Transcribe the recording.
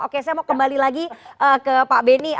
oke saya mau kembali lagi ke pak beni